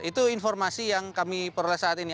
itu informasi yang kami peroleh saat ini